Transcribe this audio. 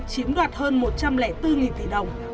chiếm đoạt hơn một trăm linh bốn tỷ đồng